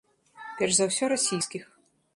Перш за ўсё расійскіх.